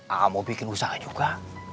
aku mau bikin usaha juga